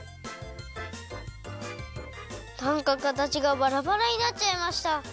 なんかかたちがばらばらになっちゃいました。